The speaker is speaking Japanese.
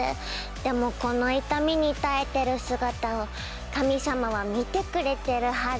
でもこの痛みに耐えてる姿を神様は見てくれてるはず！